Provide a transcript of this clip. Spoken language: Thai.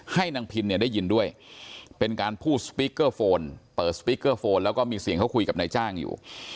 ให้นางพินเนี่ยได้ยินด้วยเป็นการพูดสปีกเกอร์โฟนเปิดสปีกเกอร์โฟนแล้วก็มีเสียงเขาคุยกับนายจ้างอยู่